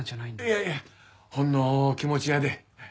いやいやほんの気持ちやで。